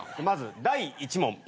まず第１問。